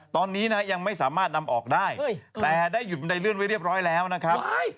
ตอนนี้นะยังไม่สามารถนำออกได้แต่ได้หยุดบันไดเลื่อนไว้เรียบร้อยแล้วนะครับ